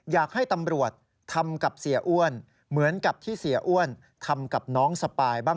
อยากให้ตำรวจทำกับเสียอ้วนเหมือนกับที่เสียอ้วนทำกับน้องสปายบ้าง